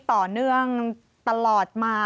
ต่อเนื่องตลอดมา